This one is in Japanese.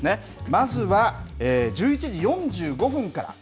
まずは、１１時４５分から。